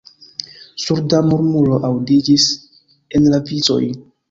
Surda murmuro aŭdiĝis en la vicoj.